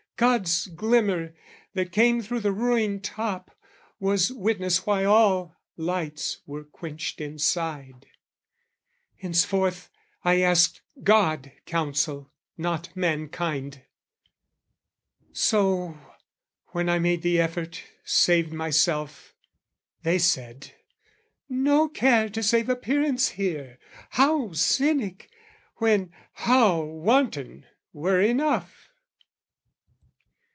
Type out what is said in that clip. God's glimmer, that came through the ruin top, Was witness why all lights were quenched inside: Henceforth I asked God counsel, not mankind. So, when I made the effort, saved myself, They said "No care to save appearance here! "How cynic, when, how wanton, were enough!"